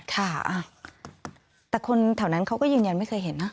ค่ะแต่คนแถวนั้นเขาก็ยืนยันไม่เคยเห็นนะ